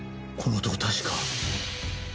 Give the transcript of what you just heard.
この男確か。